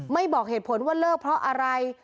บอกเหตุผลว่าเลิกเพราะอะไร